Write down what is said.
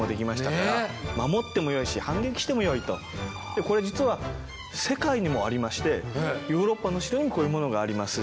これ実は世界にもありましてヨーロッパのお城にもこういうものがありますし。